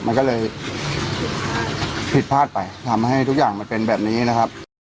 มันก็เลยผิดพลาดไปทำให้ทุกอย่างมันเป็นแบบนี้นะครับ